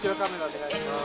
お願いします